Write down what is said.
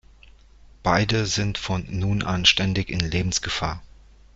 Beide sind von nun an ständig in Lebensgefahr.